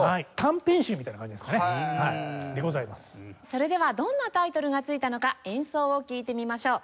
それではどんなタイトルが付いたのか演奏を聴いてみましょう。